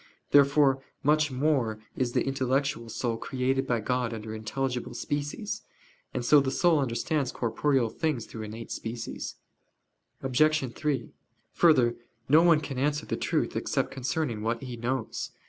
Therefore much more is the intellectual soul created by God under intelligible species. And so the soul understands corporeal things through innate species. Obj. 3: Further, no one can answer the truth except concerning what he knows.